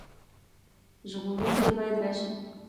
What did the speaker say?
ژغورونکی باید راشي.